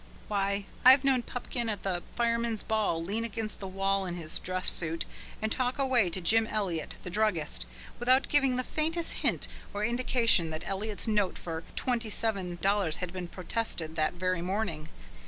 Why, I've known Pupkin at the Fireman's Ball lean against the wall in his dress suit and talk away to Jim Eliot, the druggist, without giving the faintest hint or indication that Eliot's note for twenty seven dollars had been protested that very morning.